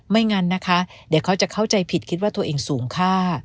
งั้นนะคะเดี๋ยวเขาจะเข้าใจผิดคิดว่าตัวเองสูงค่า